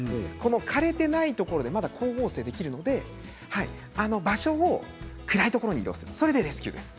枯れてないところで光合成ができるので場所を暗いところに移動するのがレスキューです。